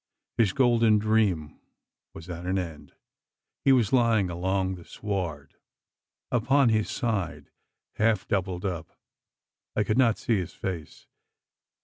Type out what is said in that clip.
His golden dream was at an end. He was lying along the sward, upon his side, half doubled up. I could not see his face.